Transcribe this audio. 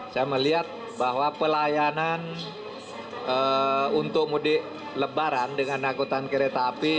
saya melihat bahwa pelayanan untuk mudik lebaran dengan angkutan kereta api